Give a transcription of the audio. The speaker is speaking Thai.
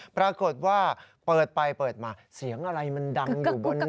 ปรากฏว่าเปิดไปเปิดมาเสียงอะไรมันดังอยู่บน